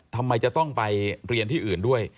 ทำไมจะต้องไปเรียนที่อื่นด้วย